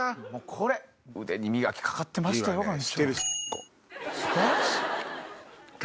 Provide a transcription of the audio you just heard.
腕に磨きかかってましたよ。